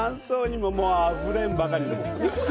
もう、あふれんばかり！